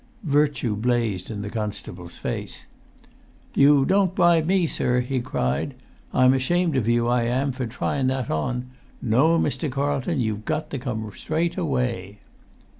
Virtue blazed in the constable's face. "You don't bribe me, sir!" he cried. "I'm ashamed of you, I am, for tryin' that on! No, Mr. Carlton, you've got to come straight away."